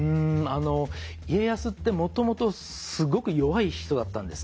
家康ってもともとすごく弱い人だったんですね。